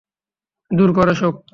দূর করো শোক।